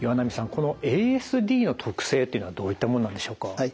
このＡＳＤの特性っていうのはどういったものなんでしょうか？